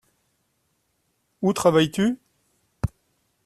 Où travailles-tu ?